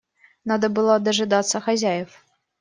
Надо было дожидаться хозяев.